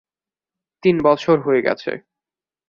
তিন বছর হয়ে গেছে।